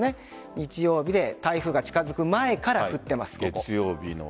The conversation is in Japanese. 日曜日で台風が近づく前から降っています、ここ。